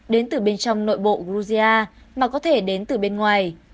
đến từ bên trong nội bộ georgia mà có thể đến từ bên ngoài